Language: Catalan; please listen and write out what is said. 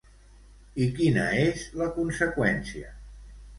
I quina és la conseqüència?